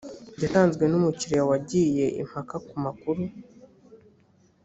yatanzwe n umukiriya wagiye impaka ku makuru